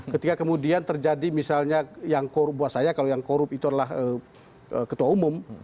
ketika kemudian terjadi misalnya yang korup buat saya kalau yang korup itu adalah ketua umum